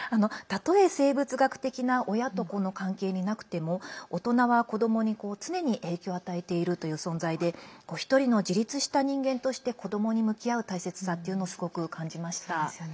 たとえ生物学的な親と子の関係になくても大人は子どもに常に影響を与えているという存在で１人の自立した人間として子どもに向き合う大切さというのをすごく感じました。